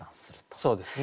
そうですね。